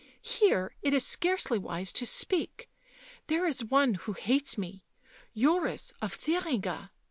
Here it is scarcely wise to speak. There is one who hates me — Joris of Thuringia.